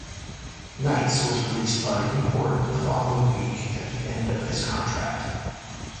Knights was released by Newport the following week at the end of his contract.